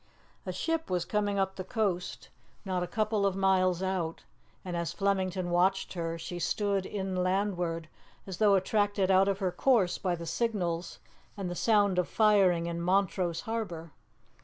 A ship was coming up the coast not a couple of miles out, and as Flemington watched her she stood in landward, as though attracted out of her course by the signals and the sound of firing in Montrose harbour.